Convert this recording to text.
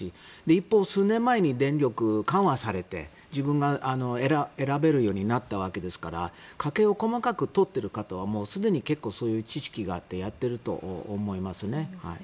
一方、数年前に電力が緩和されて自分が選べるようになったわけですから家計を細かく取っている方はすでに結構そういう知識があってやっていると思いますね。